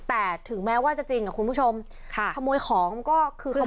แต่ถึงแม้ว่าจะจริงอ่ะคุณผู้ชมค่ะขโมยของก็คือขโมย